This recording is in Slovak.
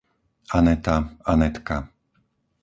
Aneta, Anetka